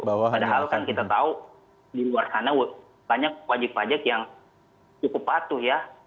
padahal kan kita tahu di luar sana banyak wajib pajak yang cukup patuh ya